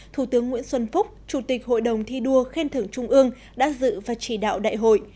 thủ tướng nguyễn xuân phúc chủ tịch hội đồng thi đua khen thưởng trung ương đã dự và chỉ đạo đại hội